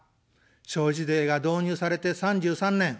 消費税が導入されて３３年。